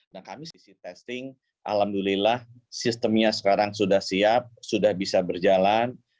nah kami sisi testing alhamdulillah sistemnya sekarang sudah siap sudah bisa berjalan